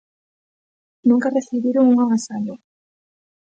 Nunca recibiron un agasallo.